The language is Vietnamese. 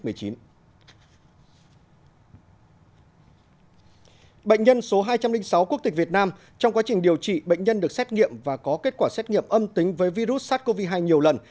bệnh nhân số hai trăm linh sáu quốc tịch việt nam trong quá trình điều trị bệnh nhân được xét nghiệm và có kết quả xét nghiệm âm tính với virus sars cov hai nhiều lần